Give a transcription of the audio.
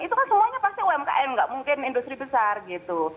itu kan semuanya pasti umkm nggak mungkin industri besar gitu